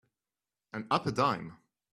And up a dime.